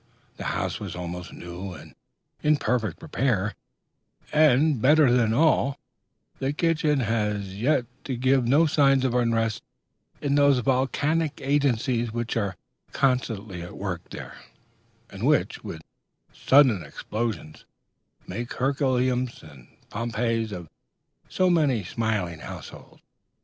The house was almost new and in perfect repair; and, better than all, the kitchen had as yet given no signs of unrest in those volcanic agencies which are constantly at work there, and which, with sudden explosions, make Herculaneums and Pompeiis of so many smiling households.